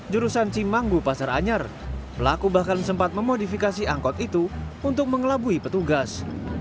jurusan cimanggu pasar anyar pelaku bahkan sempat memodifikasi angkot itu untuk mengelabui petugas